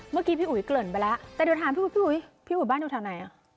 เมื่อกี้พี่อุ๋ยเกริ่นไปแล้วแต่เดี๋ยวถามพี่อุ๋ยพี่อุ๋ยพี่อุ๋ยบ้านอยู่แถวไหนอ่ะ